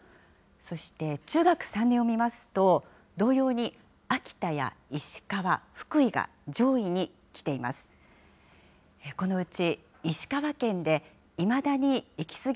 そして中学３年を見ますと、同様に秋田や石川、福井が上位に来ています。